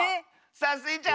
さあスイちゃん